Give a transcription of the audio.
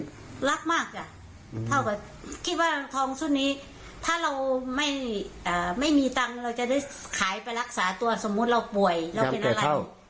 สมมุติเราป่วยยังเป็นอะไรยังเตะเท่า